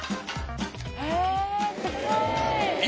へえすごい。